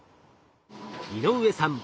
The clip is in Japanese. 井上さん